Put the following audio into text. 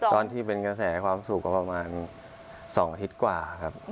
ตอนที่เป็นกระแสความสุขก็ประมาณ๒อาทิตย์กว่าครับ